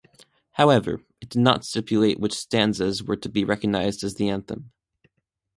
However, it did not stipulate which stanzas were to be recognized as the anthem.